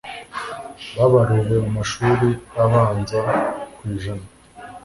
babaruwe mu mashuri abanza kw'ijana